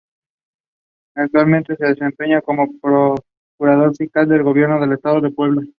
Actualmente se desempeña como Procurador Fiscal del Gobierno del Estado de Puebla.